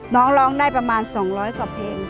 น้องร้องได้ประมาณ๒๐๐กว่าเพลง